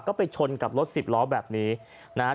ก็ไปชนกับรถสิบล้อแบบนี้นะฮะ